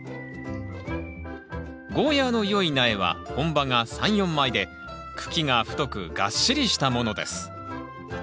ゴーヤーの良い苗は本葉が３４枚で茎が太くがっしりしたものです。